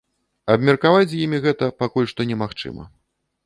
Абмеркаваць з імі гэта пакуль што немагчыма.